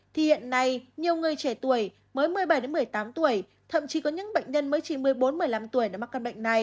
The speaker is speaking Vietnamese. thì hiện nay nhiều người trẻ tuổi mới một mươi bảy một mươi tám tuổi thậm chí có những bệnh nhân mới chỉ một mươi bốn một mươi năm tuổi đã mắc căn bệnh này